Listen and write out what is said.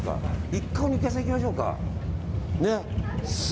１回お肉屋さん行きましょう。